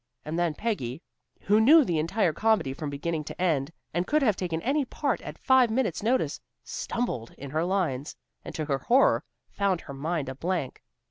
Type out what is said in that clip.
And then Peggy, who knew the entire comedy from beginning to end, and could have taken any part at five minutes' notice, stumbled in her lines, and to her horror, found her mind a blank.